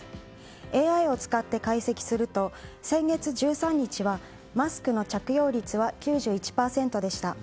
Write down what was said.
ＡＩを使って解析すると先月１３日はマスクの着用率は９１％でした。